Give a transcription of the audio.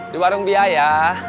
di warung biaya